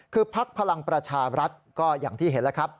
คือพักพลังประชารัฐก็อย่างที่เห็นแล้วครับ